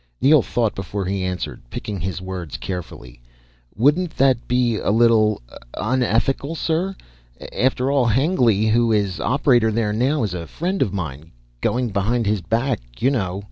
Neel thought before he answered, picking his words carefully. "Wouldn't that be a little ... unethical, sir? After all Hengly, who is operator there now, is a friend of mine. Going behind his back, you know."